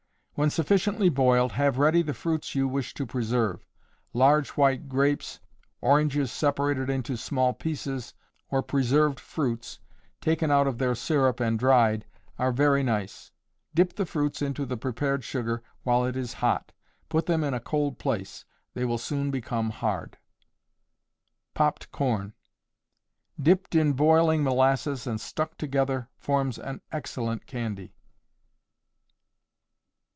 When sufficiently boiled, have ready the fruits you wish to preserve. Large white grapes, oranges separated into small pieces, or preserved fruits, taken out of their syrup and dried, are very nice. Dip the fruits into the prepared sugar while it is hot; put them in a cold place; they will soon become hard. Popped Corn. Dipped in boiling molasses and stuck together forms an excellent candy.